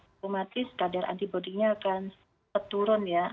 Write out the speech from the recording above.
otomatis kadar antibodynya akan turun ya